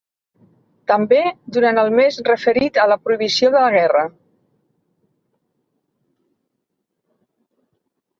També durant el mes referit a la prohibició de la guerra.